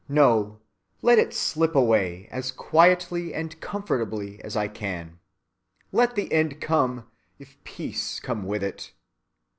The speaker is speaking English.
No! let me slip away as quietly and comfortably as I can. Let the end come, if peace come with it.